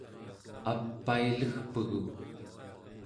apailegpegu